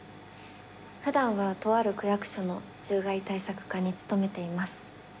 ふだんはとある区役所の獣害対策課に勤めています。